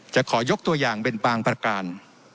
จะขอยกตัวอย่างเป็นบางประการ